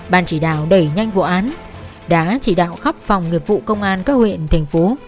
ban chỉ đạo đẩy nhanh vụ án đã chỉ đạo khắp phòng nghiệp vụ công an các huyện thành phố